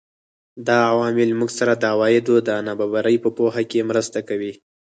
دا عوامل موږ سره د عوایدو د نابرابرۍ په پوهه کې مرسته کوي